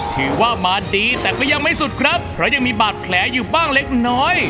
ถือว่ามาดีแต่ก็ยังไม่สุดครับเพราะยังมีบาดแผลอยู่บ้างเล็กน้อย